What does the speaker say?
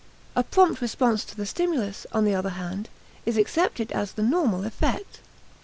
A prompt response to the stimulus, on the other hand, is accepted as the normal effect.